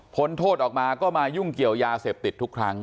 โทษออกมาก็มายุ่งเกี่ยวยาเสพติดทุกครั้ง